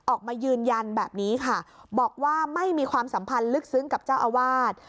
ออกมายืนยันแบบนี้ค่ะบอกว่าไม่มีความสัมพันธ์ลึกซึ้งกับเจ้าอาวาส